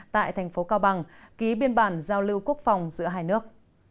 tại thành phố cao bằng ký biên bản giao lưu quốc phòng giữa hai nước